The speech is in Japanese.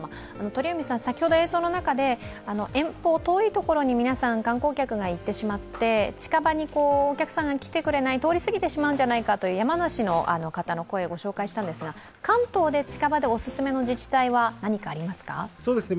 鳥海さん、先ほど映像の中で遠方遠いところに、皆さん、観光客がいってしまって近場にお客さんが来てくれない、通りすぎてしまうんじゃないかという山梨の方の声、ご紹介したんですが関東で近場でおすすめの自治体は何かありますか？